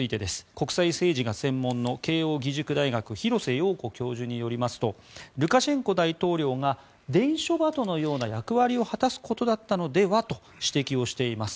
国際政治が専門の慶應義塾大学廣瀬陽子教授によりますとルカシェンコ大統領が伝書バトのような役割を果たすことだったのではと指摘をしています。